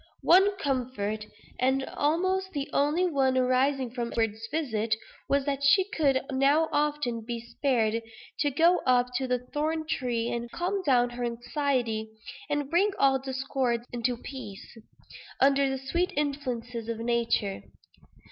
One comfort (and almost the only one arising from Edward's visit) was, that she could now often be spared to go up to the thorn tree, and calm down her anxiety, and bring all discords into peace, under the sweet influences of nature.